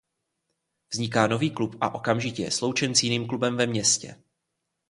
Vzniká nový klub a okamžitě je sloučen s jiným klubem ve městě.